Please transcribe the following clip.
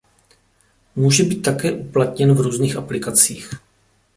Může být také uplatněn v různých aplikacích.